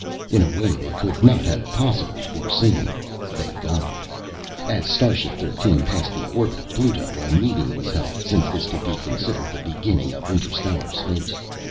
In a way they could not possibly have foreseen, they got it. As starship Thirteen passed the orbit of Pluto, a meeting was held, since this could be considered the beginning of interstellar space.